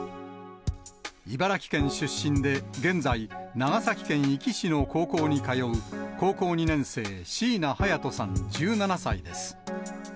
茨城県出身で、現在、長崎県壱岐市の高校に通う、高校２年生、椎名隼都さん１７歳です。